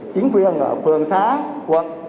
chính quyền ở phường xã quận